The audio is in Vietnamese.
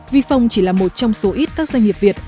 vifong chỉ là một trong số ít các doanh nghiệp việt